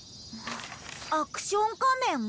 「アクション仮面」？